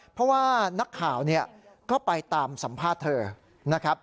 เพราะว่านักข่าวเนี่ยก็ไปตามสัมภาษณ์เธอนะครับ